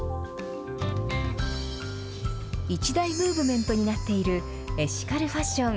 一大ムーブメントになっているエシカルファッション。